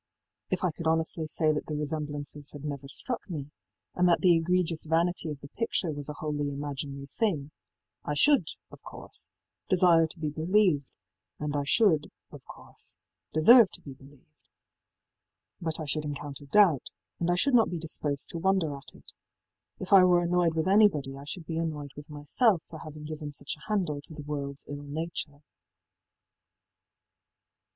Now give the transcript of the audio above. If I could honestly say that the resemblances had never struck me, and that the egregious vanity of the picture was a wholly imaginary thing, I should, of course, desire to be believed, and I should, of course, deserve to be believed. But I should encounter doubt, and I should not be disposed to wonder at it. If I were annoyed with anybody I should be annoyed with myself for having given such a handle to the worldís ill nature.